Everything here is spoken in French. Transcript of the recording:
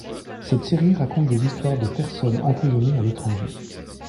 Cette série raconte des histoires de personnes emprisonnées à l'étranger.